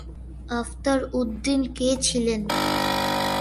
আফতার উদ্দিন কে ছিলেন?